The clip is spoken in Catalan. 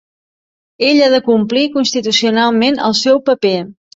Ell ha de complir constitucionalment el seu paper.